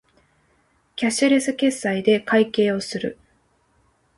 キャッシュレス決済で会計をする